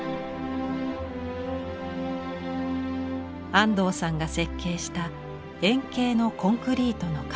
安藤さんが設計した円形のコンクリートの壁。